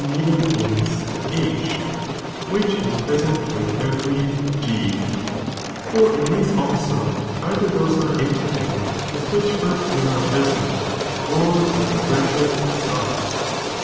^ medium is) H, which is present with every G ; for Taylor and in these also, either those are infinite vnth which "no/ present." first they are J present, or the progression stops.